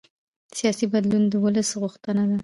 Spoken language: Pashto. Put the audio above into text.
سیاسي بدلون د ولس غوښتنه ده